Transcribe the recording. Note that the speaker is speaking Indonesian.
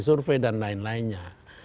survei dan lain lainnya